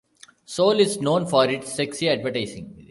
Sol is known for its sexy advertising.